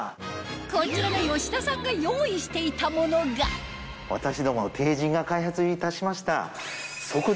こちらの吉田さんが用意していたものが私ども帝人が開発いたしました。